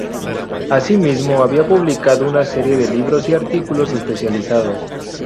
Asimismo, había publicado una serie de libros y artículos especializados.